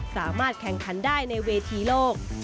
สามารถแข่งขันได้ในเวทีโลก